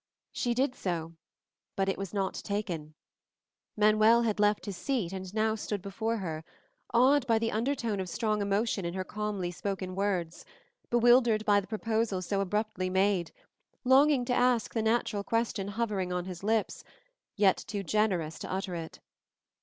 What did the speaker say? She did so, but it was not taken. Manuel had left his seat and now stood before her, awed by the undertone of strong emotion in her calmly spoken words, bewildered by the proposal so abruptly made, longing to ask the natural question hovering on his lips, yet too generous to utter it.